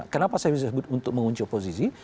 kenapa saya sebut untuk mengunci oposisi